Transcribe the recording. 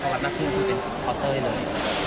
เพราะว่ามันคือจริงเพราะเธอเลย